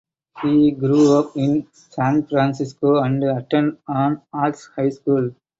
He grew up in San Francisco and attended an arts high school.